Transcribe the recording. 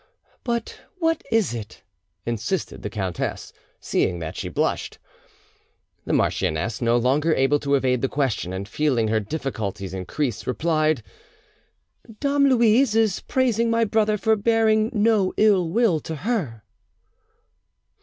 "But what is it?" insisted the countess, seeing that she blushed. The marchioness, no longer able to evade the question, and feeling her difficulties increase, replied— "Dame Louise is praising my brother for bearing no ill will to her."